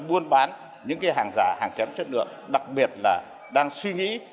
buôn bán những hàng giả hàng kém chất lượng đặc biệt là đang suy nghĩ